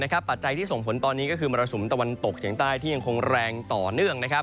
ปัจจัยที่ส่งผลตอนนี้ก็คือมรสุมตะวันตกเฉียงใต้ที่ยังคงแรงต่อเนื่อง